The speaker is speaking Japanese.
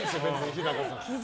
日高さん。